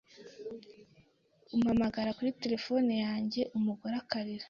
umpamagara kuri terefone yanjye umugore akarira